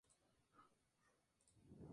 El Ms.